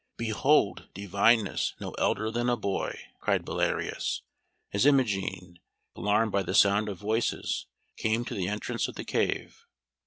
Behold divineness no elder than a boy!" cried Belarius, as Imogen, alarmed by the sound of voices, came to the entrance of the cave.